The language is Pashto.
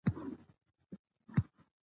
د ولس هیله سوله ده